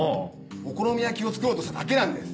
お好み焼きを作ろうとしただけなんです。